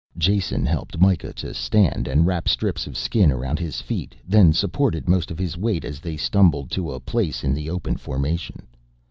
Jason helped Mikah to stand and wrap strips of skin around his feet then supported most of his weight as they stumbled to a place in the open formation.